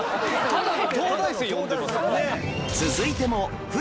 ただの東大生呼んでますよ。